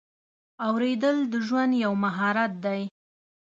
اورېدل د ژوند یو مهارت دی.